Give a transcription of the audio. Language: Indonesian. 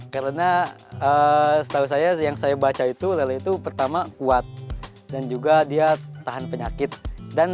karena setahu saya yang saya baca itu lelah itu pertama kuat dan juga dia tahan penyakit dan